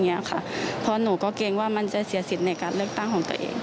เพราะหนูก็เกรงว่ามันจะเสียสิทธิ์ในการเลือกตั้งของตัวเอง